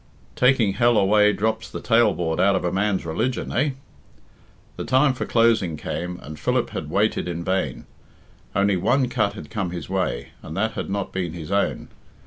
Taking hell away drops the tailboard out of a man's religion, eh?" The time for closing came, and Philip had waited in vain. Only one cut had come his way, and that had not been his own.